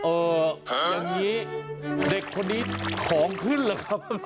อย่างนี้เด็กคนนี้ของขึ้นเหรอครับ